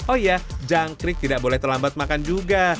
oh ya jangkrik tidak boleh terlambat makan juga